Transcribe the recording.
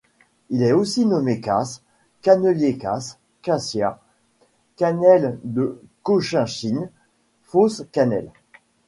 Il est aussi nommé casse, cannelier casse, cassia, cannelle de Cochinchine, fausse cannelle.